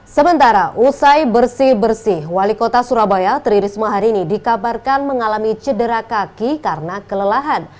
sementara usai bersih bersih wali kota surabaya tri risma hari ini dikabarkan mengalami cedera kaki karena kelelahan